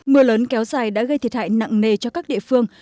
mưa lớn kéo dài đã gây thiệt hại nặng nề cho các địa phương